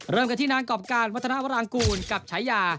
เริ่มกันที่นางกรอบการวัฒนาวรางกูลกับฉายา